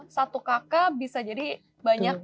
satu kakak bisa jadi banyak